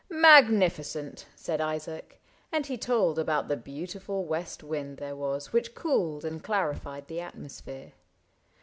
—^^ Magnificent," said Isaac ; and he told About the beautiful west wind there was Which cooled and clarified the atmosphere.